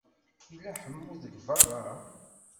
Yella ḥamu deg beṛṛa?